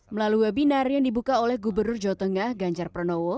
melalui webinar yang dibuka oleh gubernur jawa tengah ganjar pranowo